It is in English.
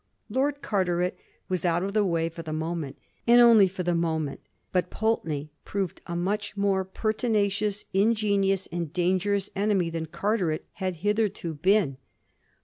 Lord Carteret was out of the way for the moment — and only for the moment; but Pulteney proved a much more pertinacious, ingenious, and dangerous enemy than Carteret had hitherto been.